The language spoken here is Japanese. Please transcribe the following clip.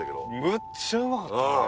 むっちゃうまかったあれ。